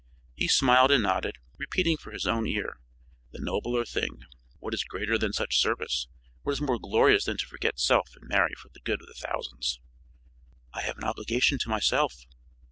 He smiled and nodded, repeating for his own ear: "The nobler thing! What is greater than such service what is more glorious than to forget self and marry for the good of the thousands?" "I have an obligation to myself."